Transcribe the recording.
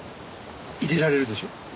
淹れられるでしょ？